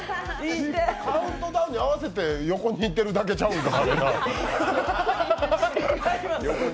カウントダウンに合わせて横にいってるだけちゃうんか。